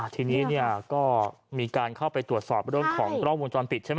ทีนี้ก็มีการเข้าไปตรวจสอบเรื่องของกล้องวงจรปิดใช่ไหม